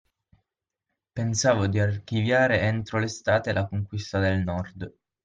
Pensavo di archiviare entro l'estate la conquista del Nord.